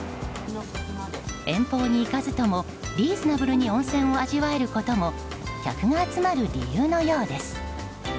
遠方に行かずともリーズナブルに温泉を味わえることも客が集まる理由のようです。